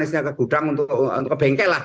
biasanya ke gudang untuk ke bengkel lah